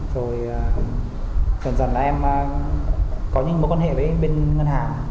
rồi dần dần là em có những mối quan hệ với bên ngân hàng